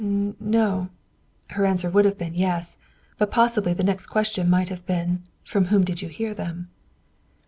"N o." Her answer would have been "Yes," but possibly the next question might have been, "From whom did you hear them?"